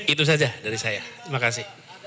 itu saja dari saya terima kasih